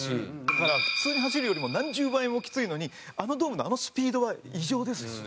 だから普通に走るよりも何十倍もきついのにあのドームのあのスピードは異常です。